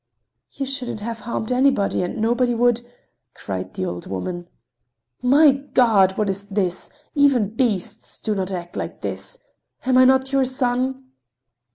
"You shouldn't have harmed anybody and nobody would—" cried the old woman. "My God! What is this? Even beasts do not act like this! Am I not your son?"